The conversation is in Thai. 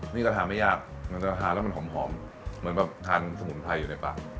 นี่ก็ทานไม่ยากมันจะทานแล้วมันหอมเหมือนแบบทานสมุนไพรอยู่ในปาก